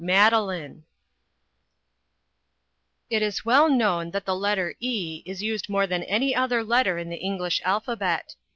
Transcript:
Madeline." It is well known that the letter e is used more than any other letter in the English alphabet.